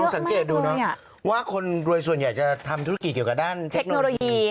สังเกตดูนะว่าคนรวยส่วนใหญ่จะทำธุรกิจเกี่ยวกับด้านเทคโนโลยี